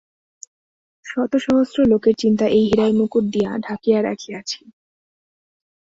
শতসহস্র লোকের চিন্তা এই হীরার মুকুট দিয়া ঢাকিয়া রাখিয়াছি।